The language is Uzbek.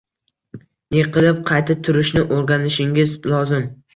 Yiqilib, qayta turishni o’rganishingiz lozim.